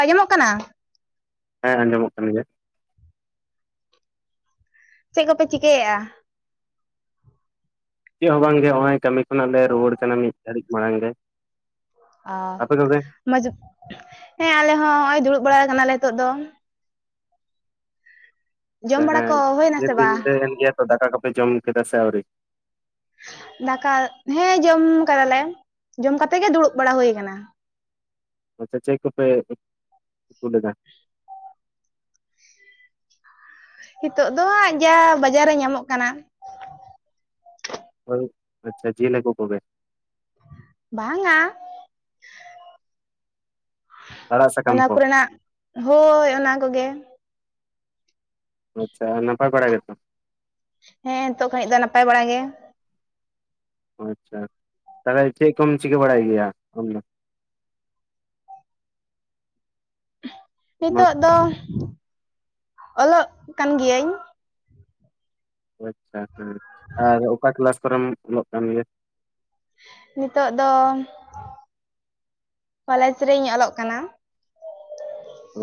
ᱟᱸᱡᱚᱢᱚᱜ ᱠᱟᱱᱟ ᱦᱮᱸ ᱟᱸᱡᱚᱢᱚᱜ ᱠᱟᱱ ᱜᱮᱭᱟ᱾ ᱪᱮᱫ ᱠᱚᱯᱮ ᱪᱤᱠᱟᱹᱭᱮᱜᱼᱟ ᱪᱮᱫ ᱦᱚᱸ ᱵᱟᱝᱜᱮ ᱱᱚᱜ ᱚᱭ ᱠᱟᱹᱢᱤ ᱠᱷᱚᱱᱟᱜ ᱞᱮ ᱨᱩᱭᱟᱹᱲ ᱠᱟᱱᱟ ᱢᱤᱫ ᱜᱷᱟᱹᱨᱤᱠ ᱢᱟᱲᱟᱝ ᱜᱮ ᱚ ᱟᱯᱮ ᱠᱚᱜᱮ [unintelligible] ᱦᱮᱸ ᱟᱞᱮ ᱦᱚᱸ ᱱᱚᱜᱼᱚᱭ ᱫᱩᱲᱩᱵ ᱵᱟᱲᱟ ᱠᱟᱱᱟᱞᱮ ᱱᱤᱛᱚᱜ ᱫᱚ ᱡᱚᱢ ᱵᱟᱲᱟ ᱦᱮᱸ ᱠᱚ ᱦᱩᱭᱱᱟ ᱰᱷᱮᱨ ᱥᱮ ᱜᱮ ᱵᱟᱝ ᱧᱤᱫᱟᱹ ᱠᱟᱱ ᱜᱮᱭᱟ ᱛᱚ ᱫᱟᱠᱟ ᱠᱚᱯᱮ ᱡᱚᱢ ᱠᱮᱫᱟ ᱥᱮ ᱟᱹᱣᱨᱤ ᱫᱟᱠᱟ ᱦᱮᱸ ᱡᱚᱢ ᱠᱟᱫᱟᱞᱮ ᱡᱚᱢ ᱠᱟᱛᱮ ᱜᱮ ᱫᱩᱲᱩᱵ ᱵᱟᱲᱟ ᱦᱳᱭ ᱠᱟᱱᱟ ᱟᱯᱮ ᱪᱮᱠ ᱠᱚᱯᱮ ᱠᱩᱛᱩ ᱞᱮᱫᱟ ᱱᱤᱛᱚᱜ ᱫᱚ ᱦᱟᱸᱜ ᱡᱟ ᱵᱟᱡᱟᱨ ᱨᱮ ᱧᱟᱢᱚᱜ ᱠᱟᱱᱟ ᱦᱳᱭ ᱾ ᱟᱪᱪᱷᱟ ᱡᱮᱞ ᱦᱟᱠᱳ ᱠᱚᱜᱮ ᱵᱟᱝᱼᱟ ᱟᱲᱟᱜ ᱥᱟᱠᱟᱢ ᱚᱱᱟ ᱠᱚ ᱠᱚᱨᱮᱱᱟᱜ ᱦᱳᱭ ᱚᱱᱟ ᱠᱚᱜᱮ ᱟᱪᱪᱷᱟ ᱟᱨ ᱱᱟᱯᱟᱭ ᱵᱟᱲᱟ ᱜᱮᱛᱚ ᱦᱮᱸ ᱱᱤᱛᱚᱜ ᱠᱟᱹᱭᱡ ᱫᱚ ᱱᱟᱯᱟᱭ ᱵᱟᱲᱟ ᱜᱮ ᱚ ᱟᱪᱪᱷᱟ ᱛᱟᱦᱚᱞᱮ ᱪᱮᱫ ᱠᱚᱢ ᱪᱤᱠᱟᱹ ᱵᱟᱲᱟᱭ ᱜᱮᱭᱟ ᱟᱢ ᱫᱚ ᱢᱟ ᱱᱤᱛᱚᱜ ᱫᱚ ᱚᱞᱚᱜ ᱠᱟᱱ ᱜᱤᱭᱟᱹᱧ ᱟᱪᱪᱷᱟ ᱦᱮᱸ ᱟᱨ ᱚᱠᱟ ᱠᱮᱞᱟᱥ ᱠᱚᱨᱮᱢ ᱚᱞᱚᱜ ᱠᱟᱱ ᱜᱮᱭᱟ ᱱᱤᱛᱚᱜ ᱫᱚ ᱠᱚᱞᱮᱡᱽ ᱨᱤᱧ ᱚᱞᱚᱜ ᱠᱟᱱᱟ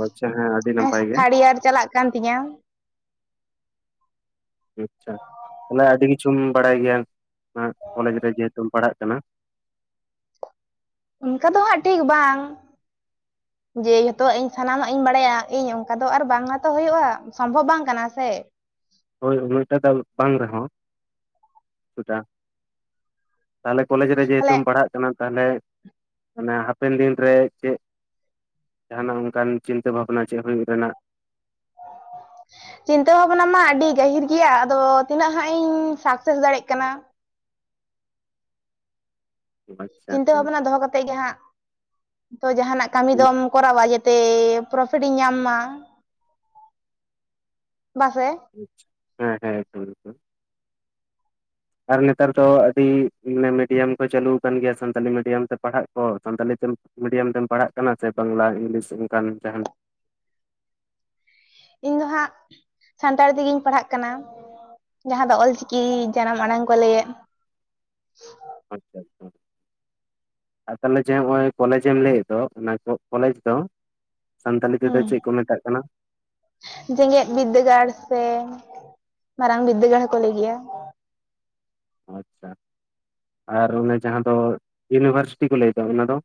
ᱟᱪᱪᱷᱟ ᱦᱮᱸ ᱟᱹᱰᱤ ᱱᱮᱸᱥ ᱱᱟᱯᱟᱭ ᱜᱮ ᱛᱷᱟᱲ ᱤᱭᱟᱨ ᱪᱟᱞᱟᱜ ᱠᱟᱱ ᱛᱤᱧᱟᱹ ᱟᱪᱪᱷᱟ ᱛᱟᱦᱚᱞᱮ ᱟᱹᱰᱤ ᱠᱤᱪᱷᱩᱢ ᱵᱟᱲᱟᱭ ᱜᱮᱭᱟ ᱠᱚᱞᱮᱡᱽ ᱨᱮ ᱡᱮᱦᱮᱛᱩᱢ ᱯᱟᱲᱦᱟᱜ ᱠᱟᱱᱟ ᱚᱱᱠᱟ ᱫᱚ ᱦᱟᱸᱜ ᱴᱷᱤᱠ ᱵᱟᱝ ᱡᱮ ᱱᱮᱛᱳᱜ ᱤᱧ ᱥᱟᱱᱟᱢᱟᱜ ᱤᱧ ᱵᱟᱲᱟᱭᱟ ᱤᱧ ᱚᱱᱠᱟ ᱫᱚ ᱟᱨ ᱵᱟᱝ ᱢᱟᱛᱚ ᱦᱩᱭᱩᱜᱼᱟ ᱥᱚᱢᱵᱷᱚᱵ ᱵᱟᱝ ᱠᱟᱱᱟ ᱥᱮ ᱦᱳᱭ ᱩᱱᱟᱹᱴᱟ ᱫᱟ ᱵᱟᱝ ᱨᱮᱦᱚᱸ ᱠᱤᱪᱷᱩ ᱴᱟ ᱛᱟᱦᱚᱞᱮ ᱠᱚᱞᱮᱡᱽ ᱨᱮ ᱛᱟᱦᱞᱮ ᱡᱮᱦᱮᱛᱩᱢ ᱯᱟᱲᱦᱟᱜ ᱠᱟᱱᱟ ᱛᱟᱦᱚᱞᱮ ᱚᱱᱟ ᱦᱟᱯᱮᱱ ᱫᱤᱱᱨᱮ ᱪᱮᱫ ᱡᱟᱦᱟᱱᱟᱜ ᱚᱱᱠᱟᱱ ᱪᱤᱱᱛᱟᱹ ᱵᱷᱟᱵᱱᱟ ᱪᱮᱫ ᱦᱳᱭᱳᱜ ᱨᱮᱱᱟᱜ [inaudible] ᱪᱤᱱᱛᱟᱹ ᱵᱷᱟᱵᱱᱟ ᱢᱟ ᱟᱹᱰᱤ ᱜᱟᱹᱦᱤᱨ ᱜᱮᱭᱟ ᱟᱫᱚ ᱛᱤᱱᱟᱹᱜ ᱦᱟᱸᱜ ᱤᱧ ᱥᱟᱠᱥᱮᱥ ᱫᱟᱲᱮᱭᱟᱜ ᱠᱟᱱᱟ ᱟᱪᱪᱷᱟ ᱪᱤᱱᱛᱟᱹ ᱦᱮᱸ ᱵᱷᱟᱵᱱᱟ ᱫᱚᱦᱚ ᱠᱟᱛᱮᱜ ᱜᱮ ᱦᱟᱸᱜ ᱛᱚ ᱡᱟᱦᱟᱱᱟᱜ ᱠᱟᱹᱢᱤ ᱫᱚᱢ ᱠᱚᱨᱟᱣᱟ ᱛᱮ ᱯᱨᱚᱯᱷᱤᱴ ᱤᱧ ᱧᱟᱢ ᱢᱟ ᱵᱟᱥᱮ ᱦᱮᱸ ᱦᱮᱸ ᱮᱠᱫᱚᱢ ᱮᱠᱫᱚᱢ ᱟᱨ ᱱᱮᱛᱟᱨ ᱫᱚ ᱟᱹᱰᱤ ᱢᱤᱰᱤᱭᱟᱢ ᱠᱚ ᱪᱟᱹᱟᱞᱩ ᱠᱟᱱ ᱜᱮᱭᱟ ᱥᱟᱱᱛᱟᱞᱤ ᱢᱤᱰᱤᱭᱟᱢ ᱛᱮ ᱯᱟᱲᱦᱟᱜ ᱠᱚ ᱥᱟᱱᱛᱟᱞᱤ ᱛᱮᱢ ᱢᱤᱰᱤᱭᱟᱢ ᱛᱮᱢ ᱯᱟᱲᱦᱟᱜ ᱠᱟᱱᱟ ᱥᱮ ᱵᱟᱝᱞᱟ ᱤᱝᱞᱤᱥ ᱥᱮ ᱚᱱᱠᱟᱱ ᱡᱟᱦᱟᱱ ᱤᱧ ᱫᱚ ᱦᱟᱸᱜ ᱥᱟᱱᱛᱟᱲᱤ ᱛᱮᱜᱤᱧ ᱯᱟᱲᱦᱟᱜ ᱠᱟᱱᱟ ᱡᱟᱦᱟᱸ ᱫᱚ ᱚᱞ ᱪᱤᱠᱤ ᱡᱟᱱᱟᱢ ᱟᱲᱟᱝ ᱠᱚ ᱞᱮᱣᱮᱫ ᱟᱪᱪᱷᱟ ᱟᱪᱪᱷᱟ ᱟᱨ ᱛᱟᱦᱚᱞᱮ ᱡᱮ ᱱᱚᱜ ᱚᱭ ᱠᱚᱞᱮᱡ ᱮᱢ ᱞᱟᱹᱭᱮᱫ ᱫᱚ ᱚᱱᱟ ᱠᱚᱞᱮᱡ ᱫᱚ ᱥᱟᱱᱛᱟᱞᱤ ᱛᱮᱫᱚ ᱦᱩᱸ ᱪᱮᱫ ᱠᱚ ᱢᱮᱛᱟᱜ ᱠᱟᱱᱟ ᱡᱮᱜᱮᱛ ᱵᱤᱫᱽᱫᱟᱹᱜᱟᱲ ᱥᱮ ᱢᱟᱨᱟᱝ ᱵᱤᱫᱽᱫᱟᱹᱜᱟᱲ ᱦᱚᱸᱠᱚ ᱞᱟᱹᱭ ᱜᱮᱭᱟ ᱟᱪᱪᱷᱟ ᱟᱨ ᱚᱱᱮ ᱡᱟᱦᱟᱸ ᱫᱚ ᱤᱭᱩᱱᱤᱵᱷᱟᱨᱥᱤᱴᱤ ᱠᱚ ᱞᱟᱹᱭᱮᱫᱟ ᱚᱱᱟ ᱫᱚ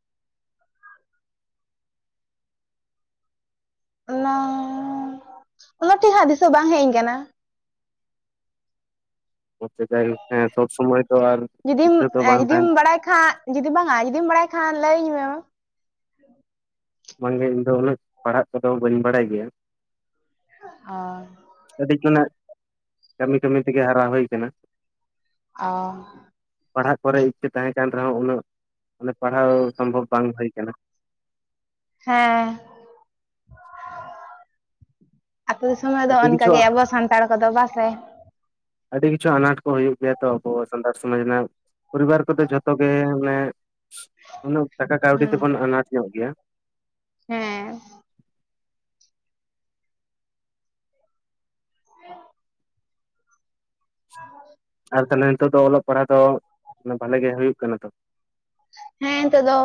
ᱚᱱᱟᱻ ᱚᱱᱟ ᱴᱷᱤᱠ ᱦᱟᱸᱜ ᱫᱤᱥᱟᱹ ᱵᱟᱝ ᱦᱮᱡ ᱟᱹᱧ ᱠᱟᱱᱟ ᱟᱪᱪᱷᱟ ᱡᱟᱭᱦᱳᱠ ᱦᱮᱸ ᱥᱚᱵ ᱥᱚᱢᱚᱭ ᱛᱚ ᱟᱨ ᱡᱩᱫᱤᱢ ᱫᱤᱥᱟᱹ ᱛᱚ ᱵᱟᱝ ᱡᱩᱫᱤᱢ ᱛᱟᱦᱮᱱᱟ ᱵᱟᱲᱟᱭ ᱠᱷᱟᱸᱜ ᱡᱩᱫᱤ ᱵᱟᱝ, ᱟᱨ ᱡᱩᱫᱤᱢ ᱵᱟᱲᱟᱭ ᱠᱷᱟᱱ ᱞᱟᱹᱭᱤᱧ ᱢᱮ ᱵᱟᱝᱜᱮ ᱤᱧ ᱫᱚ ᱩᱱᱟᱹᱜ ᱯᱟᱲᱦᱟᱜ ᱠᱚᱫᱚ ᱵᱟᱹᱧ ᱵᱟᱲᱟᱭ ᱜᱮᱭᱟ ᱟᱨ ᱠᱟᱴᱤᱡ ᱠᱷᱚᱱᱟᱜ ᱠᱟᱹᱢᱤ ᱠᱟᱹᱢᱤ ᱛᱮᱜᱮ ᱦᱟᱨᱟ ᱦᱳᱭ ᱠᱟᱱᱟ ᱚ ᱯᱟᱲᱦᱟᱜ ᱠᱚᱨᱮ ᱤᱪᱪᱷᱟᱹ ᱛᱟᱦᱮᱸ ᱠᱟᱱ ᱨᱮᱦᱚᱸ ᱩᱱᱟᱹᱜ ᱢᱟᱱᱮ ᱯᱟᱲᱦᱟᱣ ᱥᱚᱢᱵᱷᱚᱵ ᱵᱟᱝ ᱦᱩᱭ ᱠᱟᱱᱟ ᱦᱮᱸ ᱟᱹᱛᱳ ᱫᱤᱥᱚᱢ ᱨᱮᱫᱚ ᱟᱹᱰᱤ ᱠᱤᱪᱷᱩ ᱚᱱᱠᱟᱜᱮ ᱟᱵᱚ ᱥᱟᱱᱛᱟᱲ ᱠᱚᱫᱚ ᱵᱟᱥᱮ ᱟᱹᱰᱤ ᱠᱤᱪᱷᱩ ᱟᱱᱟᱴ ᱠᱚ ᱦᱩᱭᱩᱜ ᱜᱮᱭᱟ ᱛᱚ ᱟᱵᱚ ᱥᱟᱱᱛᱟᱲ ᱥᱚᱢᱟᱡ ᱨᱮᱱᱟᱜ ᱯᱚᱨᱤᱵᱟᱨ ᱠᱚᱫᱚ ᱡᱷᱚᱛᱚ ᱜᱮ ᱢᱟᱱᱮ ᱩᱱᱟᱹᱜ ᱴᱟᱠᱟ ᱠᱟᱹᱣᱰᱤ ᱦᱩᱸ ᱛᱮᱵᱚᱱ ᱟᱱᱟᱴ ᱧᱚᱜ ᱜᱮᱭᱟ᱾ ᱦᱮᱸ [inaudible] ᱟᱨ ᱛᱟᱞᱦᱮ ᱱᱤᱛᱚᱜ ᱫᱚ ᱚᱞᱚᱜ ᱯᱟᱲᱦᱟᱜ ᱫᱚ ᱱᱮ ᱵᱷᱟᱞᱮ ᱜᱮ ᱦᱩᱭᱩᱜ ᱠᱟᱱᱟ ᱛᱚ? ᱦᱮᱸ ᱱᱤᱛᱚᱜ ᱫᱚ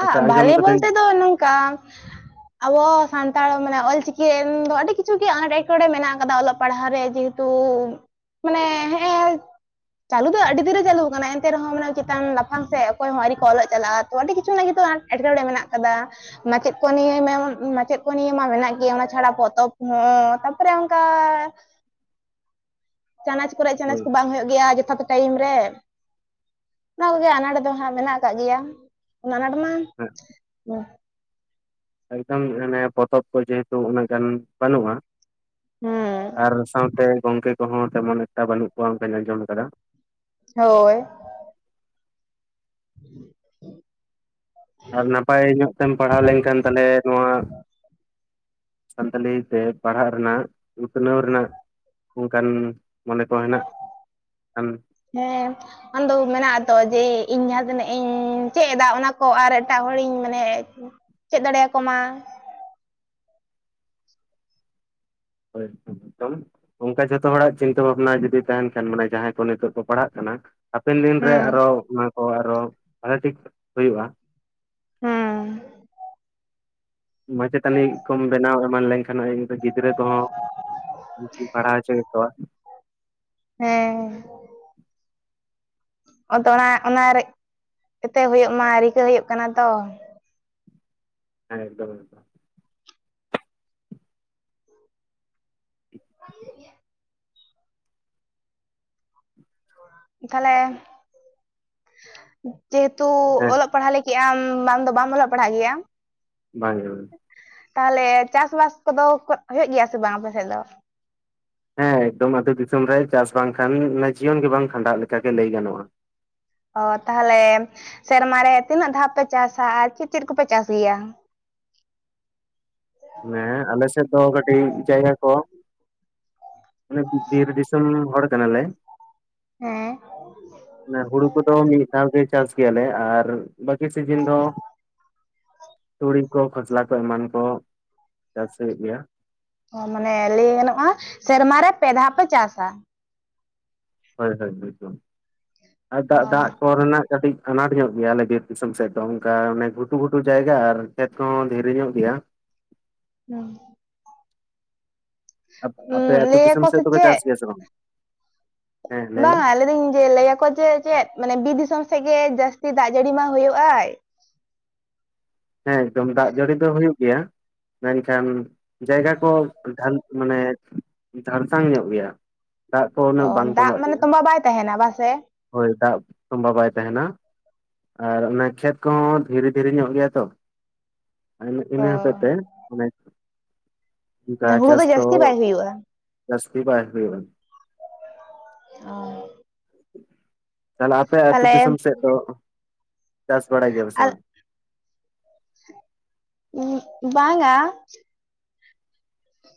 ᱟ ᱟᱪᱪᱷᱟ ᱟᱸᱡᱚᱢ ᱵᱷᱟᱞᱮ ᱠᱟᱹᱫᱟᱹᱧ ᱵᱚᱞᱛᱮ ᱫᱚ ᱱᱚᱝᱠᱟ ᱟᱵᱚ ᱥᱟᱱᱛᱟᱲ ᱢᱟᱱᱮ ᱚᱞᱪᱤᱠᱤ ᱨᱮᱱ ᱫᱚ ᱟᱹᱰᱤ ᱠᱤᱪᱷᱩ ᱜᱮ ᱥᱟᱱᱟᱢ ᱟᱱᱟᱴ ᱮᱴᱠᱮᱴᱚᱬᱮ ᱢᱮᱱᱟᱜ ᱟᱠᱟᱫᱟ ᱚᱞᱚᱜ ᱯᱟᱲᱦᱟᱜ ᱨᱮ ᱡᱮᱦᱮ ᱛᱚ ᱢᱟᱱᱮ ᱦᱮᱸ ᱮ ᱪᱟᱹᱞᱩ ᱫᱚ ᱟᱹᱰᱤ ᱫᱤᱱᱨᱮ ᱪᱟᱹᱞᱩ ᱟᱠᱟᱱᱟ ᱮᱱᱛᱮ ᱨᱮᱦᱚᱸ ᱢᱟᱱᱮ ᱪᱮᱛᱟᱱ ᱞᱟᱯᱷᱟᱝ ᱥᱮᱫ ᱚᱠᱚᱭ ᱦᱚᱸ ᱟᱹᱨᱤ ᱠᱚ ᱚᱞᱚᱜ ᱪᱟᱞᱟᱜᱼᱟ᱾ ᱛᱚ ᱟᱹᱰᱤ ᱠᱤ [unintelligible] ᱮᱴᱠᱮᱴᱚᱬᱮ ᱢᱮᱱᱟᱜ ᱠᱟᱫᱟ ᱢᱟᱪᱮᱫ ᱠᱚ ᱱᱤᱭᱟᱹ ᱢᱮ ᱢᱟᱪᱮᱫ ᱠᱚ ᱱᱤᱭᱟ ᱢᱟ ᱢᱮᱱᱟᱜ ᱜᱮ ᱚᱱᱟ ᱪᱷᱟᱲᱟ ᱯᱚᱛᱚᱵ ᱦᱚᱸ ᱛᱟᱨᱯᱚᱨᱮ ᱚᱝᱠᱟ ᱪᱟᱱᱟᱪ ᱠᱚᱨᱮ ᱪᱟᱱᱟᱪ ᱦᱳᱭ ᱠᱚ ᱵᱟᱝ ᱦᱩᱭᱩᱜ ᱜᱮᱭᱟ ᱡᱚᱛᱷᱟᱛ ᱴᱟᱭᱤᱢ ᱨᱮ ᱚᱱᱟ ᱠᱚᱜᱮ ᱟᱱᱟᱴ ᱫᱚ ᱦᱟᱸᱜ ᱢᱮᱱᱟᱜ ᱠᱟᱜ ᱜᱮᱭᱟ᱾ ᱚᱱᱟ ᱟᱱᱟᱴ ᱢᱟ ᱦᱮᱸ ᱦᱚᱸ ᱮᱠᱫᱚᱢ ᱢᱟᱱᱮ ᱯᱚᱛᱚᱵ ᱠᱚ ᱡᱮᱦᱮᱛᱩ ᱩᱱᱟᱹᱜ ᱜᱟᱱ ᱵᱟᱹᱱᱩᱜᱼᱟ᱾ ᱦᱩᱸ ᱟᱨ ᱥᱟᱶᱛᱮ ᱜᱚᱝᱠᱮ ᱠᱚᱦᱚᱸ ᱛᱮᱢᱚᱱ ᱮᱠᱴᱟ ᱵᱟᱹᱱᱩᱜ ᱠᱚᱣᱟ ᱚᱱᱠᱟᱧ ᱟᱸᱡᱚᱢ ᱠᱟᱫᱟ᱾ ᱦᱳᱭ [inaudible] ᱟᱨ ᱱᱟᱯᱟᱭ ᱧᱚᱜ ᱛᱮᱢ ᱯᱟᱲᱦᱟᱣ ᱞᱮᱱᱠᱷᱟᱱ ᱛᱟᱞᱦᱮ ᱱᱚᱣᱟ ᱥᱟᱱᱛᱟᱞᱤ ᱛᱮ ᱯᱟᱲᱦᱟᱜ ᱨᱮᱱᱟᱜ ᱩᱛᱱᱟᱹᱣ ᱨᱮᱱᱟᱜ ᱚᱝᱠᱟᱱ ᱢᱚᱱᱮ ᱠᱚ ᱦᱮᱱᱟᱜ ᱠᱷᱟᱱ ᱦᱮᱸ ᱟᱢᱫᱚ ᱢᱮᱱᱟᱜᱼᱟ ᱛᱚ ᱡᱮ ᱤᱧ ᱡᱟᱦᱟᱸ ᱛᱤᱱᱟᱹᱜ ᱤᱧ ᱪᱮᱜ ᱮᱫᱟ ᱚᱱᱟ ᱠᱚ ᱟᱨ ᱮᱴᱟᱜ ᱦᱚᱲ ᱤᱧ ᱢᱟᱱᱮ ᱪᱮᱫ ᱫᱟᱲᱮᱭᱟ ᱠᱚ ᱢᱟ᱾ [unintelligible] ᱚᱝᱠᱟ ᱡᱷᱚᱛᱚ ᱦᱚᱲᱟᱜ ᱪᱤᱱᱛᱟᱹ ᱵᱷᱟᱵᱽᱱᱟ ᱡᱩᱫᱤ ᱛᱟᱦᱮᱱ ᱠᱷᱟᱱ ᱢᱟᱱᱮ ᱡᱟᱦᱟᱸᱭ ᱠᱚ ᱱᱤᱛᱚᱜ ᱠᱚ ᱯᱟᱲᱦᱟᱜ ᱠᱟᱱᱟ᱾ ᱦᱟᱯᱮᱱ ᱫᱤᱱ ᱨᱮ ᱦᱩᱸ ᱟᱨᱚ ᱚᱱᱟ ᱠᱚ ᱟᱨᱚ ᱵᱷᱚᱞᱮ ᱴᱷᱤᱠ ᱦᱩᱭᱩᱜᱼᱟ᱾ ᱦᱩᱸ ᱢᱟᱪᱮᱛᱟᱱᱤ ᱠᱚᱢ ᱵᱮᱱᱟᱣ ᱮᱢᱟᱱ ᱞᱮᱱ ᱠᱷᱟᱱ ᱤᱧ ᱫᱚ ᱜᱤᱫᱽᱨᱟᱹ ᱠᱚᱦᱚᱸ [unintelligible] ᱯᱟᱲᱦᱟᱣ ᱦᱚᱪᱚ ᱠᱮᱠᱚᱣᱟ᱾ ᱦᱮᱸ ᱟᱫᱚ ᱚᱱᱟ ᱚᱱᱟ ᱨᱮ ᱡᱟᱛᱮ ᱦᱳᱭᱳᱜ ᱢᱟ ᱨᱤᱠᱟᱹ ᱦᱳᱭᱳᱜ ᱠᱟᱱᱟ ᱛᱚ᱾ ᱦᱮᱸ ᱮᱠᱫᱚᱢ ᱮᱠᱫᱚᱢ [unintelligible] ᱛᱷᱟᱞᱮ ᱡᱮᱦᱮᱛᱩ ᱦᱮᱸ ᱚᱞᱚᱜ ᱯᱟᱲ ᱦᱟᱜ ᱞᱟᱹ ᱠᱤ ᱟᱢ ᱵᱟᱢ ᱫᱚ ᱵᱟᱢ ᱚᱞᱚᱜ ᱯᱟᱲᱦᱟᱜ ᱜᱮᱭᱟ? ᱵᱟᱝᱜᱮ ᱛᱟᱦᱞᱮ ᱪᱟᱥ ᱵᱟᱥ ᱠᱚᱫᱚ ᱦᱩᱭᱩᱜ ᱜᱮᱭᱟ ᱥᱮ ᱵᱟᱝ ᱟᱯᱮ ᱥᱮᱫ ᱫᱚ? ᱦᱮᱸ ᱮᱠᱫᱚᱢ ᱟᱛᱳ ᱫᱤᱥᱚᱢ ᱨᱮ ᱪᱟᱥ ᱵᱟᱝ ᱠᱷᱟᱱ ᱡᱤᱭᱚᱱ ᱜᱮ ᱵᱟᱝ ᱠᱷᱟᱸᱰᱟᱜ ᱞᱮᱠᱟ ᱜᱮ ᱞᱟᱹᱭ ᱜᱟᱱᱚᱜᱼᱟ᱾ ᱚ ᱛᱟᱦᱚᱞᱮ ᱥᱮᱨᱢᱟ ᱨᱮ ᱛᱤᱱᱟᱹᱜ ᱫᱷᱟᱣ ᱯᱮ ᱪᱟᱥᱟ ᱟᱨ ᱪᱮᱫ ᱪᱮᱫ ᱠᱚᱯᱮ ᱪᱟᱥ ᱜᱮᱭᱟ? ᱦᱮᱸ ᱟᱞᱮ ᱥᱮᱫ ᱫᱚ ᱠᱟᱹᱴᱤᱡ ᱡᱟᱭᱜᱟ ᱠᱚ ᱚᱱᱮ ᱵᱤᱨ ᱫᱤᱥᱚᱢ ᱦᱚᱲ ᱠᱟᱱᱟ ᱞᱮ᱾ ᱦᱮᱸ ᱦᱩᱲᱩ ᱠᱚᱫᱚ ᱢᱤᱫ ᱫᱷᱟᱣ ᱜᱮ ᱪᱟᱥ ᱜᱮᱭᱟ ᱞᱮ ᱟᱨ ᱵᱟᱠᱤ ᱥᱤᱡᱤᱱ ᱫᱚ ᱛᱩᱲᱤ ᱠᱚ ᱠᱷᱚᱥᱞᱟ ᱠᱚ ᱮᱢᱟᱱ ᱠᱚ ᱪᱟᱥ ᱦᱳᱭᱳᱜ ᱜᱮᱭᱟ᱾ ᱚ ᱢᱟᱱᱮ ᱞᱟᱹᱭ ᱜᱟᱱᱚᱜᱼᱟ ᱥᱮᱨᱢᱟ ᱨᱮ ᱯᱮ ᱫᱷᱟᱣ ᱯᱮ ᱪᱟᱥᱟ᱾ ᱦᱳᱭ ᱦᱳᱭ ᱦᱳᱭ ᱛᱚ ᱟᱨ ᱚ ᱫᱟᱜ ᱫᱟᱜ ᱠᱚ ᱨᱮᱱᱟᱜ ᱠᱟᱹᱴᱤᱡ ᱟᱱᱟᱴ ᱧᱚᱜ ᱜᱮᱭᱟ ᱟᱞᱮ ᱵᱤᱨ ᱫᱤᱥᱚᱢ ᱥᱮᱫ ᱫᱚ ᱚᱱᱠᱟ ᱚᱱᱮ ᱜᱷᱩᱴᱩ ᱜᱷᱩᱴᱩ ᱡᱟᱭᱜᱟ ᱟᱨ ᱠᱷᱮᱛ ᱠᱚᱦᱚᱸ ᱫᱷᱤᱨᱤ ᱧᱚᱜ ᱜᱮᱭᱟ᱾ ᱱᱚᱝ ᱟᱯ ᱦᱩᱸ ᱟᱯᱮ ᱟᱛᱩ ᱫᱤᱥᱚᱢ ᱞᱟᱹᱭᱟᱠᱚ ᱥᱮ ᱥᱮᱫ ᱫᱚ ᱯᱮ ᱪᱟᱥ ᱪᱮᱫ ᱜᱮᱭᱟ ᱥᱮ ᱵᱟᱝ? ᱦᱮᱸ ᱢᱮ ᱵᱟᱝ ᱞᱟᱹᱭ ᱫᱤᱧ ᱡᱮ ᱞᱟᱹᱭ ᱟᱠᱚ ᱡᱮ ᱪᱮᱫ ᱢᱟᱱᱮ ᱵᱤᱨ ᱫᱤᱥᱚᱢ ᱥᱮᱫ ᱜᱮ ᱡᱟᱹᱥᱛᱤ ᱫᱟᱜ ᱡᱟᱹᱲᱤ ᱢᱟ ᱦᱳᱭᱳᱜ ᱟᱭ ᱦᱮᱸ ᱮᱠ ᱫᱚᱢ ᱫᱟᱜ ᱡᱟᱹᱲᱤ ᱫᱚ ᱦᱳᱭᱳᱜ ᱜᱮᱭᱟ ᱢᱮᱱ ᱠᱷᱟᱱ ᱡᱟᱭᱜᱟ ᱠᱚ ᱢᱟᱱᱮ ᱫᱷᱟᱲᱥᱟᱝ ᱧᱚᱜ ᱜᱮᱭᱟ ᱫᱟᱜ ᱠᱚ ᱚ ᱩᱱᱟᱹᱜ ᱵᱟᱝ ᱫᱟᱜ ᱛᱚᱵᱟᱜ ᱢᱟᱱᱮ ᱜᱮᱭᱟ ᱛᱚᱸᱵᱟ ᱵᱟᱭ ᱛᱟᱦᱮᱱᱟ ᱵᱟᱥᱮ ᱦᱳᱭ ᱫᱟᱜ ᱛᱚᱵᱟ ᱵᱟᱭ ᱛᱟᱦᱮ ᱱᱟ ᱟᱨ ᱚᱱᱟ ᱠᱷᱮᱛ ᱠᱚᱦᱚᱸ ᱫᱷᱤᱨᱤ ᱫᱷᱤᱨᱤ ᱧᱚᱜ ᱜᱮᱭᱟ ᱛᱚ᱾ ᱚ ᱤᱱᱟᱹ ᱦᱚᱛᱮᱡ ᱛᱮ ᱚᱱᱠᱟ ᱢᱟᱱᱮ ᱦᱩᱲᱩ ᱪᱟᱥ ᱫᱚ ᱡᱟᱹᱥᱛᱤ ᱵᱟᱭ ᱦᱩᱭᱩᱜᱼᱟ ᱡᱟᱹᱥᱛᱤ ᱵᱟᱭ ᱦᱳᱭᱳᱜ ᱟ᱾ [unintelligible] ᱛᱟᱦᱚᱞᱮ ᱟᱯᱮ ᱟᱹᱛᱩ ᱛᱟᱦᱞᱮ ᱫᱤᱥᱚᱢ ᱥᱮᱫ ᱫᱚ ᱪᱟᱥ ᱵᱟᱲᱟᱭ ᱜᱮᱭᱟ ᱥᱮ ᱟᱨ ᱵᱟᱝ? ᱵᱟᱝ-ᱟ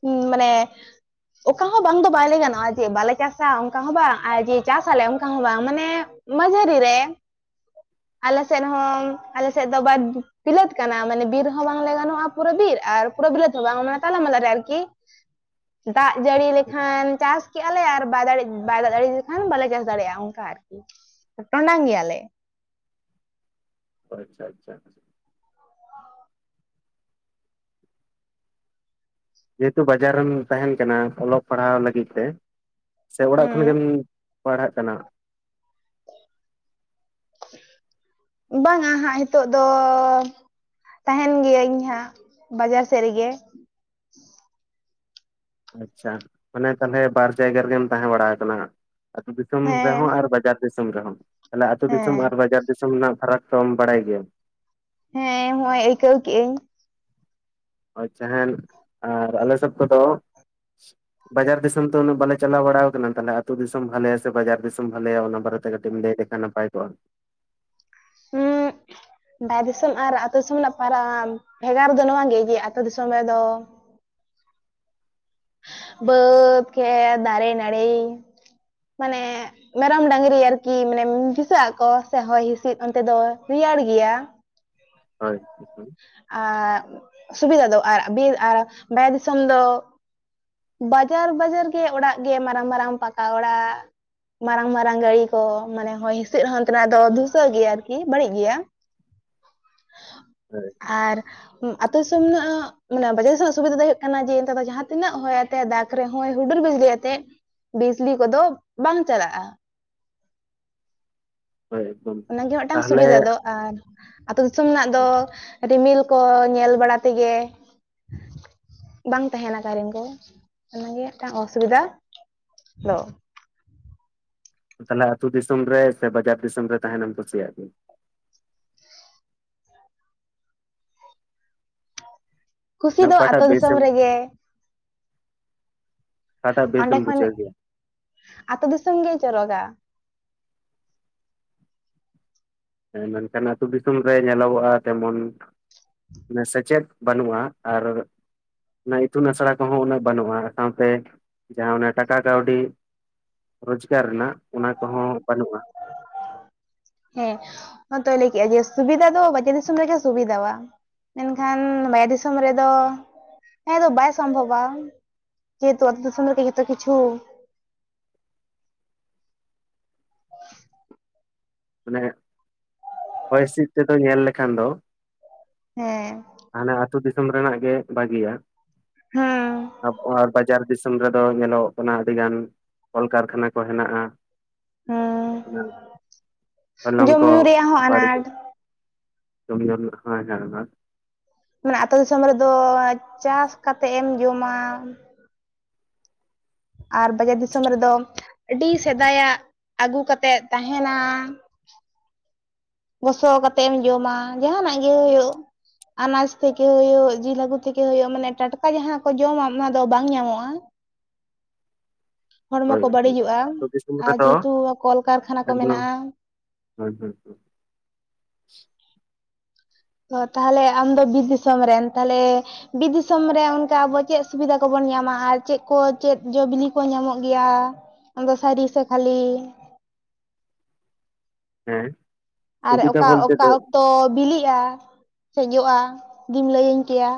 ᱦᱩᱸ ᱢᱟᱱᱮ ᱚᱠᱟ ᱦᱚᱸ ᱵᱟᱝ ᱫᱚ ᱵᱟᱭ ᱞᱟᱹᱭ ᱜᱟᱱᱚᱜᱼᱟ ᱡᱮ ᱵᱟᱞᱮ ᱪᱟᱥ-ᱟ ᱚᱱᱠᱟ ᱦᱚᱸ ᱵᱟᱝ ᱟᱨ ᱡᱮ ᱪᱟᱥ ᱟᱞᱮ ᱚᱱᱠᱟ ᱦᱚᱸ ᱵᱟᱝ ᱢᱟᱱᱮ ᱢᱟᱹᱡᱷᱤᱨᱤ ᱨᱮ ᱟᱞᱮ ᱥᱮᱫ ᱦᱚᱸ ᱟᱞᱮ ᱥᱮᱫ ᱫᱚ ᱟᱵᱟᱨ ᱵᱤᱞᱟᱹᱛ ᱠᱟᱱᱟ ᱢᱟᱱᱮ ᱵᱤᱨ ᱦᱚᱸ ᱵᱟᱝ ᱞᱟᱹᱭ ᱜᱟᱱᱚᱜᱼᱟ ᱯᱩᱨᱟᱹ ᱵᱤᱨ ᱟᱨ ᱯᱩᱨᱟᱹ ᱵᱤᱞᱟᱹᱛ ᱦᱚ ᱵᱟᱝ ᱢᱟᱱᱮ ᱛᱟᱞᱟ ᱢᱟᱞᱟ ᱨᱮ ᱟᱨᱠᱤ ᱫᱟᱜ ᱡᱟᱹᱲᱤ ᱞᱮᱠᱷᱟᱱ ᱪᱟᱥ ᱠᱮᱜᱼᱟ ᱞᱮ ᱟᱨ ᱵᱟᱭ ᱫᱟᱜ ᱫᱟᱲᱤ ᱞᱮᱠᱷᱟᱱ ᱵᱟᱞᱮ ᱪᱟᱥ ᱫᱟᱲᱮᱭᱟᱜᱼᱟ [unintelligible] ᱴᱚᱰᱟᱝ ᱜᱮᱭᱟ ᱞᱮ ᱟᱪᱪᱷᱟ ᱟᱪᱪᱷᱟ ᱡᱮ ᱦᱮᱛᱩ ᱵᱟᱡᱟᱨ ᱨᱮᱢ ᱛᱟᱦᱮᱱ ᱠᱟᱱᱟ ᱚᱞᱚᱜ ᱯᱟᱲᱦᱟᱣ ᱞᱟᱹᱜᱤᱫ ᱛᱮ ᱥᱮ ᱚᱲᱟᱜ ᱦᱩᱸ ᱠᱷᱚᱱ ᱜᱮᱢ ᱯᱟᱲᱦᱟᱜ ᱠᱟᱱᱟ ᱵᱟᱝ ᱟ ᱦᱟᱸᱜ ᱱᱤᱛᱚᱜ ᱫᱚ ᱛᱟᱦᱮᱸᱱ ᱜᱮᱭᱟᱹᱧ ᱤᱧ ᱦᱟᱸᱜ ᱵᱟᱡᱟᱨ ᱥᱮᱫ ᱨᱮᱜᱮ ᱟᱪᱪᱷᱟ ᱚᱱᱮ ᱛᱟᱦᱚᱞᱮ ᱵᱟᱨ ᱡᱟᱭᱜᱟ ᱨᱮᱜᱮᱢ ᱛᱟᱦᱮᱸ ᱵᱟᱲᱟ ᱟᱠᱟᱱᱟ ᱦᱟᱸᱜ ᱟᱹᱛᱩ ᱫᱤᱥᱚᱢ ᱦᱮᱸ ᱨᱮᱦᱚᱸ ᱟᱨ ᱵᱟᱡᱟᱨ ᱫᱤᱥᱚᱢ ᱨᱮᱦᱚᱸ ᱛᱟᱦᱚᱞᱮ ᱟᱹᱛᱳ ᱫᱤᱥᱚᱢ ᱦᱮᱸ ᱟᱨ ᱵᱟᱡᱟᱨ ᱫᱤᱥᱚᱢ ᱨᱮᱱᱟᱜ ᱯᱷᱟᱨᱟᱠ ᱥᱚᱢ ᱵᱟᱲᱟᱭ ᱜᱮᱭᱟᱢ ᱦᱮᱸ ᱦᱚᱸᱜᱼᱚᱭ ᱟᱹᱭᱠᱟᱹᱣ ᱠᱮᱫ ᱟᱹᱧ ᱟᱪᱪᱷᱟ ᱦᱮᱸ ᱟᱨ ᱟᱞᱮ ᱥᱮᱫ ᱠᱚᱫᱚ [unintelligible] ᱵᱟᱡᱟᱨ ᱫᱤᱥᱚᱢ ᱫᱚ ᱩᱱᱟᱹᱜ ᱵᱟᱞᱮ ᱪᱟᱞᱟᱣ ᱵᱟᱲᱟ ᱟᱠᱟᱱᱟ ᱛᱟᱦᱚᱞᱮ ᱟᱛᱳ ᱫᱤᱥᱚᱢ ᱵᱷᱟᱞᱮᱭᱟ ᱥᱮ ᱵᱟᱡᱟᱨ ᱫᱤᱥᱚᱢ ᱵᱷᱟᱞᱮᱭᱟ ᱚᱱᱟ ᱵᱷᱟᱨᱮ ᱠᱟᱹᱴᱤᱡ ᱞᱟᱹᱭ ᱱᱟᱯᱟᱭ ᱠᱚᱣᱟ ᱦᱩᱸ ᱵᱟᱭᱨᱮ ᱫᱤᱥᱚᱢ ᱟᱨ ᱟᱹᱛᱳ ᱫᱤᱥᱚᱢ ᱨᱮᱱᱟᱜ ᱯᱟᱨᱟᱠ ᱵᱷᱮᱜᱟᱨ ᱫᱚ ᱱᱚᱣᱟ ᱜᱮ ᱡᱮ ᱟᱹᱛᱳ ᱫᱤᱥᱚᱢ ᱨᱮᱫᱚ ᱵᱟᱹᱫ ᱠᱷᱮᱛ ᱫᱟᱨᱮ ᱱᱟᱲᱤ ᱢᱟᱱᱮ ᱢᱮᱨᱚᱢ ᱰᱟᱝᱨᱤ ᱟᱨᱠᱤ ᱢᱟᱱᱮ ᱫᱤᱥᱟᱹᱜ ᱟᱠᱚ ᱥᱮ ᱦᱚᱭ ᱦᱤᱸᱥᱤᱫ ᱚᱱᱛᱮ ᱫᱚ ᱨᱮᱭᱟᱲ ᱜᱮᱭᱟ᱾ ᱦᱳᱭ [inaudible] ᱟᱨ ᱥᱩᱵᱤᱫᱷᱟ ᱫᱚ ᱟᱨ ᱵᱤᱨ ᱟᱨ ᱵᱟᱦᱨᱮ ᱫᱤᱥᱚᱢ ᱫᱚ ᱵᱟᱡᱟᱨ ᱵᱟᱡᱟᱨ ᱜᱮ ᱚᱲᱟᱜ ᱜᱮ ᱢᱟᱨᱟᱝ ᱢᱟᱨᱟᱝ ᱯᱟᱠᱟ ᱚᱲᱟᱜ ᱢᱟᱨᱟᱝ ᱢᱟᱨᱟᱝ ᱜᱟᱹᱲᱤ ᱠᱚ ᱢᱟᱱᱮ ᱦᱚᱭ ᱦᱤᱸᱥᱤᱫ ᱦᱚᱸ ᱚᱱᱛᱮᱱᱟᱜ ᱫᱚ ᱫᱷᱩᱥᱟᱹᱜ ᱜᱮᱭᱟ ᱟᱨᱠᱤ ᱵᱟᱹᱲᱤᱡ ᱜᱮᱭᱟ ᱦᱳᱭ ᱟᱨ ᱟᱛᱳ ᱫᱤᱥᱚᱢ ᱨᱮᱱᱟᱜ ᱵᱟᱡᱟᱨ ᱨᱮᱱᱟᱜ ᱥᱩᱵᱤᱫᱟ ᱫᱚ ᱦᱩᱭᱩᱜ ᱠᱟᱱᱟ ᱡᱮ ᱱᱮᱛᱟᱨ ᱫᱚ ᱡᱟᱦᱟᱸ ᱛᱤᱱᱟᱹᱜ ᱦᱚᱭ ᱫᱟᱜ ᱨᱮᱦᱚᱸᱭ ᱦᱩᱰᱩᱨ ᱵᱤᱡᱽᱞᱤ ᱟᱛᱮᱫ ᱵᱤᱡᱽᱞᱤ ᱠᱚᱫᱚ ᱵᱟᱝ ᱪᱟᱞᱟᱜᱼᱟ᱾ ᱦᱳᱭ ᱮᱠᱫᱚᱢ ᱚᱱᱟ ᱜᱮ ᱢᱤᱫᱴᱟᱝ ᱛᱟᱦᱚᱞᱮ ᱥᱩᱵᱤᱫᱷᱟ ᱫᱚ ᱟᱨ ᱟᱹᱛᱩ ᱫᱤᱥᱚᱢ ᱨᱮᱱᱟᱜ ᱫᱚ ᱨᱤᱢᱤᱞ ᱠᱚ ᱧᱮᱞ ᱵᱟᱲᱟ ᱛᱮᱜᱮ ᱵᱟᱝ ᱛᱟᱦᱮᱸᱱᱟ ᱠᱟᱨᱤᱱ ᱠᱚ ᱚᱱᱟᱜᱮ ᱢᱤᱫᱴᱟᱝ ᱚᱥᱩᱵᱤᱫᱟ ᱫᱚ ᱛᱟᱦᱚᱞᱮ ᱟᱹᱛᱩ ᱫᱤᱥᱚᱢ ᱨᱮ ᱥᱮ ᱵᱟᱡᱟᱨ ᱫᱤᱥᱚᱢ ᱨᱮ ᱛᱟᱦᱮᱱᱮᱢ ᱠᱩᱥᱤᱭᱟᱜ ᱜᱮᱭᱟ? ᱠᱩᱥᱤ ᱢᱟᱱᱮ ᱫᱚ ᱟᱛᱳ ᱚᱠᱟᱴᱟᱜ ᱫᱤᱥᱚᱢ ᱵᱮᱥᱮᱢ ᱨᱮᱜᱮ ᱚᱠᱟᱴᱟᱜ ᱚᱸᱰᱮ ᱵᱮᱥᱮᱢ ᱠᱷᱚᱱ ᱵᱩᱡᱷᱟᱹᱣ ᱜᱮᱭᱟ ᱟᱛᱳ ᱫᱤᱥᱚᱢ ᱜᱮᱭ ᱪᱚᱨᱚᱜᱟ ᱦᱮᱸ ᱢᱮᱱᱠᱷᱟᱱ ᱟᱹᱛᱩ ᱫᱤᱥᱚᱢ ᱨᱮ ᱧᱮᱞᱚᱜᱚᱜᱼᱟ ᱛᱮᱢᱚᱱ ᱥᱮᱪᱮᱫ ᱵᱟᱹᱱᱩᱜᱼᱟ ᱟᱨ ᱚᱱᱟ ᱤᱛᱩᱱ ᱟᱥᱲᱟ ᱠᱚᱦᱚᱸ ᱩᱱᱟᱹᱜ ᱵᱟᱹᱱᱩᱜᱼᱟ ᱥᱟᱶᱛᱮ ᱡᱟᱦᱟᱸ ᱚᱱᱟ ᱴᱟᱠᱟ ᱠᱟᱹᱣᱰᱤ ᱨᱚᱡᱽᱜᱟᱨ ᱨᱮᱱᱟᱜ ᱚᱱᱟ ᱠᱚᱦᱚᱸ ᱵᱟᱹᱱᱩᱜᱼᱟ ᱦᱮᱸ ᱱᱚᱛᱚᱭ ᱞᱟᱹᱭ ᱠᱮᱫᱼᱟ ᱡᱮ ᱥᱩᱵᱤᱫᱟ ᱫᱚ ᱵᱟᱡᱟᱨ ᱫᱤᱥᱚᱢ ᱨᱮᱜᱮ ᱥᱩᱵᱤᱫᱷᱟᱣᱟ ᱢᱮᱱᱠᱷᱟᱱ ᱵᱟᱭᱨᱮ ᱫᱤᱥᱚᱢ ᱨᱮᱫᱚ ᱦᱮᱸ ᱫᱚ ᱵᱟᱭ ᱥᱚᱢᱵᱷᱚᱵᱼᱟ ᱡᱮᱦᱮᱛᱩ ᱟᱛᱩ ᱫᱤᱥᱚᱢ ᱨᱮᱜᱮ ᱡᱷᱚᱛᱚ ᱠᱤᱪᱷᱩ ᱢᱟᱱᱮ ᱦᱚᱭ ᱦᱤᱸᱥᱤᱫ ᱛᱮᱫᱚ ᱧᱮᱞ ᱞᱮᱠᱷᱟᱱ ᱫᱚ ᱦᱮᱸ ᱦᱟᱱᱮᱸ ᱟᱹᱛᱩ ᱫᱤᱥᱚᱢ ᱨᱮᱱᱟᱜ ᱜᱮ ᱵᱷᱟᱹᱜᱤᱭᱟ ᱦᱮᱸ ᱟ ᱟᱨ ᱵᱟᱡᱟᱨ ᱫᱤᱥᱚᱢ ᱨᱮᱫᱚ ᱧᱮᱞᱚᱜ ᱠᱟᱱᱟ ᱟᱹᱰᱤ ᱜᱟᱱ ᱠᱚᱞᱠᱟᱨᱠᱷᱟᱱᱟ ᱠᱚ ᱦᱮᱱᱟᱜᱼᱟ ᱦᱮᱸ ᱚᱱᱟ ᱦᱚᱭᱞᱚᱝ ᱡᱚᱢ ᱠᱚ ᱧᱩ ᱨᱮᱭᱟᱜ ᱦᱚᱸ ᱟᱱᱟᱴ ᱵᱟᱹᱲᱤᱡᱚᱜ [unintelligible] ᱠᱩᱱᱫᱚᱱ ᱠᱟᱱᱟ ᱦᱟᱜ ᱢᱟᱱᱮ ᱟᱹᱛᱩ ᱫᱤᱥᱚᱢ ᱨᱮᱫᱚ ᱪᱟᱥ ᱠᱟᱛᱮᱜ ᱮᱢ ᱡᱚᱢᱟ ᱟᱨ ᱵᱟᱡᱟᱨ ᱫᱤᱥᱚᱢ ᱨᱮᱫᱚ ᱟᱹᱰᱤ ᱥᱮᱫᱟᱭᱟᱜ ᱟᱹᱜᱩ ᱠᱟᱛᱮᱫ ᱛᱟᱦᱮᱸᱱᱟ ᱜᱚᱥᱚ ᱠᱟᱛᱮᱜ ᱮᱢ ᱡᱚᱢᱟ ᱡᱟᱦᱟᱸᱱᱟᱜ ᱜᱮ ᱦᱩᱭᱩᱜ ᱟᱱᱟᱡᱽ ᱛᱷᱮᱠᱮ ᱦᱩᱭᱩᱜ ᱡᱤᱞ ᱦᱟᱠᱩ ᱛᱮᱜᱮ ᱦᱩᱭᱩᱜ ᱢᱟᱱᱮ ᱴᱟᱴᱠᱟ ᱡᱟᱦᱟᱸ ᱠᱚ ᱡᱚᱢᱟ ᱚᱱᱟ ᱫᱚ ᱵᱟᱝ ᱧᱟᱢᱚᱜᱼᱟ [inaudible] ᱦᱚᱲᱢᱚ ᱦᱳᱭ ᱠᱚ ᱦᱳᱭ ᱵᱟᱹᱲᱤᱡᱚᱜᱼᱟ ᱟᱹᱛᱩ ᱫᱤᱥᱚᱢ ᱟᱨ ᱨᱮᱫᱚ ᱡᱮᱦᱮᱛᱩ ᱠᱚᱞᱠᱟᱨᱠᱷᱟᱱᱟ ᱠᱚ ᱢᱮᱱᱟᱜᱼᱟ ᱦᱩᱭ ᱦᱩᱭ ᱦᱩᱸ ᱛᱚ ᱛᱟᱦᱚᱞᱮ ᱟᱢᱫᱚ ᱵᱤᱨ ᱫᱤᱥᱚᱢ ᱨᱮᱱ ᱛᱟᱦᱚᱞᱮ ᱵᱤᱨ ᱫᱤᱥᱚᱢ ᱨᱮ ᱚᱱᱠᱟ ᱟᱵᱚ ᱪᱮᱫ ᱥᱩᱵᱤᱫᱷᱟ ᱠᱚᱵᱚᱱ ᱧᱟᱢᱟ ᱟᱨ ᱪᱮᱫ ᱠᱚ ᱪᱮᱫ ᱡᱚᱼᱵᱤᱞᱤ ᱠᱚ ᱧᱟᱢᱚᱜ ᱜᱮᱭᱟ ᱟᱫᱚ ᱥᱟᱹᱨᱤ ᱥᱮ ᱠᱷᱟᱹᱞᱤ ᱦᱮᱸ ᱟᱨ ᱥᱩᱵᱤᱫᱷᱟ ᱚᱠᱟ ᱵᱚᱞᱛᱮ ᱚᱠᱟ ᱫᱚ ᱚᱠᱛᱚ ᱵᱤᱞᱤᱜᱼᱟ ᱥᱮ ᱡᱚᱜᱼᱟ ᱡᱩᱫᱤᱢ ᱞᱟᱹᱭᱟᱹᱧ ᱠᱮᱭᱟ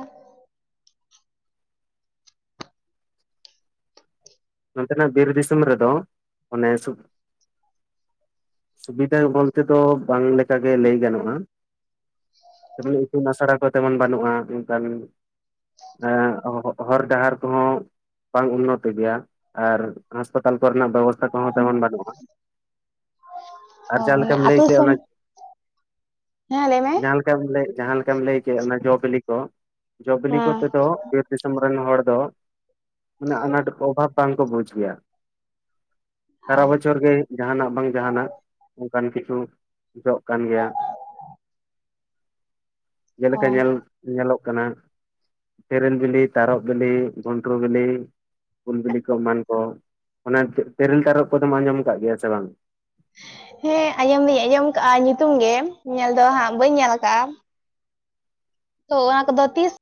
ᱱᱚᱛᱮᱱᱟᱜ ᱵᱤᱨ ᱫᱤᱥᱚᱢ ᱨᱮᱫᱚ ᱚᱱᱮ ᱥᱩᱠ ᱥᱩᱵᱤᱫᱷᱟ ᱵᱚᱞᱛᱮ ᱫᱚ ᱵᱟᱝᱞᱮᱠᱟᱜ ᱜᱮ ᱞᱟᱹᱭ ᱜᱟᱱᱚᱜᱼᱟ ᱤᱛᱩᱱ ᱟᱥᱲᱟ ᱠᱚ ᱛᱮᱢᱚᱱ ᱵᱟᱹᱱᱩᱜᱼᱟ ᱚᱱᱠᱟᱱ ᱦᱚᱨ ᱰᱟᱦᱟᱨ ᱠᱚᱦᱚᱸ ᱵᱟᱝ ᱩᱱᱚᱛᱤ ᱜᱮᱭᱟ ᱟᱨ ᱦᱟᱸᱥᱯᱟᱛᱟᱞ ᱠᱚᱨᱮᱱᱟᱜ ᱵᱮᱵᱚᱥᱛᱷᱟ ᱠᱚᱦᱚᱸ ᱛᱮᱢᱚᱱ ᱵᱟᱹᱱᱩᱜ-ᱟ ᱟᱨ ᱚ ᱡᱟᱦᱟᱸ ᱢᱟᱱᱮ ᱞᱮᱠᱟᱢ ᱞᱟᱹᱭ ᱟᱹᱛᱩ ᱠᱮᱭᱟ ᱫᱤᱥᱚᱢ ᱚᱱᱟ ᱦᱮᱸ ᱞᱟᱹᱭ ᱢᱮ ᱡᱟᱦᱟᱸ ᱞᱮᱠᱟᱢ ᱞᱟᱹᱭ ᱡᱟᱦᱟᱸᱞᱮᱠᱟᱢ ᱞᱟᱹᱭ ᱠᱮᱫ ᱚᱱᱟ ᱡᱚᱼ ᱵᱤᱞᱤ ᱠᱚ ᱡᱚ ᱵᱤᱞᱤ ᱦᱮᱸ ᱠᱚᱛᱮᱫᱚ ᱵᱤᱨ ᱫᱤᱥᱚᱢ ᱨᱮᱱ ᱦᱚᱲ ᱫᱚ ᱢᱟᱱᱮ ᱟᱱᱟᱸᱴ ᱚᱵᱷᱟᱵᱽ ᱵᱟᱝ ᱠᱚ ᱵᱩᱡᱽ ᱜᱮᱭᱟ ᱚ ᱥᱟᱨᱟ ᱵᱚᱪᱷᱚᱨ ᱜᱮ ᱡᱟᱦᱟᱸᱱᱟᱜ ᱵᱟᱝ ᱡᱟᱦᱟᱸᱱᱟᱜ ᱚᱱᱠᱟᱱ ᱠᱤᱪᱷᱩ ᱡᱚᱜ ᱠᱟᱱ ᱜᱮᱭᱟ [inaudible] ᱡᱮᱞᱮᱠᱟ ᱚ ᱧᱮᱞ ᱧᱮᱞᱚᱜ ᱠᱟᱱᱟ ᱛᱮᱨᱮᱞ ᱵᱤᱞᱤ ᱛᱟᱨᱚᱵ ᱵᱤᱞᱤ ᱜᱩᱱᱴᱨᱩ ᱵᱤᱞᱤ ᱩᱞ ᱵᱤᱞᱤ ᱮᱢᱟᱱ ᱠᱚ ᱚᱱᱟ ᱛᱮᱨᱮᱞ ᱛᱟᱨᱚᱵ ᱠᱚᱫᱚᱢ ᱟᱸᱡᱚᱢ ᱠᱟᱜ ᱜᱮᱭᱟ ᱥᱮ ᱵᱟᱝ ᱦᱮᱸ ᱟᱸᱡᱚᱢ ᱫᱩᱧ ᱟᱸᱡᱚᱢ ᱟᱠᱟᱫᱼᱟ ᱧᱩᱛᱩᱢ ᱜᱮ ᱧᱮᱞ ᱫᱚ ᱦᱟᱸᱜ ᱵᱟᱹᱧ ᱧᱮᱞ ᱟᱠᱟᱫᱟᱼᱟ ᱛᱚ ᱚᱱᱟ ᱠᱚᱫᱚ ᱛᱤᱥ